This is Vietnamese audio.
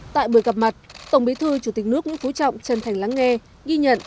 tại buổi gặp mặt tổng bí thư chủ tịch nước nguyễn phú trọng chân thành lắng nghe ghi nhận